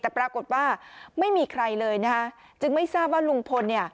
แต่ปรากฏว่าไม่มีใครเลยนะคะจึงไม่ทราบว่าลุงพลเนี่ย